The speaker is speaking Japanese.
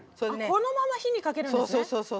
このまま火にかけるんですね。